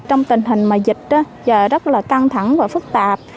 trong tình hình mà dịch giờ rất là căng thẳng và phức tạp